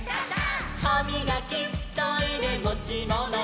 「はみがきトイレもちもの」「」